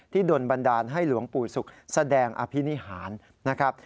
โดนบันดาลให้หลวงปู่ศุกร์แสดงอภินิหารนะครับ